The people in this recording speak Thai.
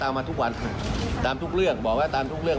เอามาทุกวันตามทุกเรื่องบอกว่าตามทุกเรื่อง